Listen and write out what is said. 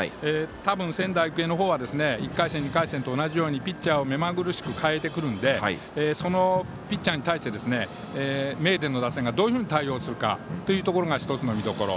たぶん仙台育英の方は１回戦と２回戦と同じようにピッチャーを目まぐるしく代えてくるのでそのピッチャーに対して名電の打線がどういうふうに対応するかというところが１つの見どころ。